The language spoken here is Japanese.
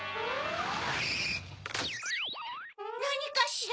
・なにかしら？